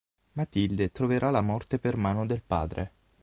Matilde troverà la morte per mano del padre.